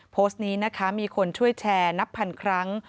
โพสต์นี้นะคะมีคนช่วยแชร์นับพันครั้ง